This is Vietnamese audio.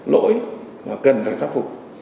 lỗi mà cần phải khắc phục